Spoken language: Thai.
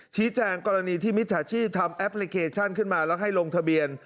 แจ้งกรณีที่มิจฉาชีพทำแอปพลิเคชันขึ้นมาแล้วให้ลงทะเบียน